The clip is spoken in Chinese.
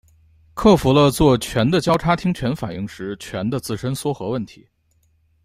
克服了做醛的交叉羟醛反应时醛的自身缩合问题。